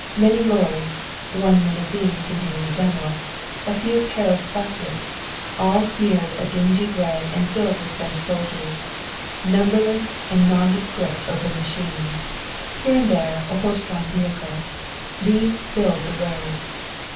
Many lorries, one limousine containing a general, a few Paris buses, all smeared a dingy gray and filled with French soldiers, numberless and nondescript open machines, here and there a horse drawn vehicle these filled the road.